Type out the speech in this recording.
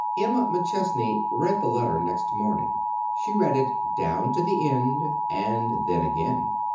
Emma McChesney read the letter next morning. She read it down to the end, and then again.